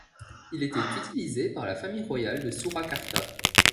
Il était utilisé par la famille royale de Surakarta.